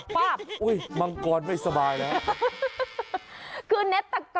มาจังหวะลงมา